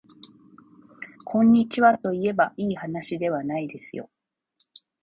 こんにちはといえばいいはなしではないですよ